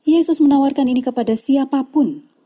yesus menawarkan ini kepada siapapun